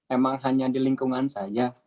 emang hanya di lingkungan saja